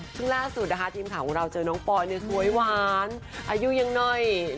ซึ่งล่าสุดนะคะทีมข่าวของเราเจอน้องปอยสวยหวานอายุยังน้อย